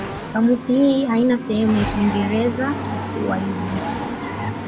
Kamusi hii haina sehemu ya Kiingereza-Kiswahili.